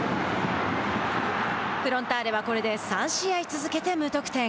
フロンターレはこれで３試合続けて無得点。